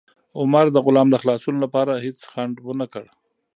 عمر د غلام د خلاصون لپاره هیڅ ځنډ ونه کړ.